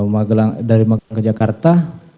magelang ke jakarta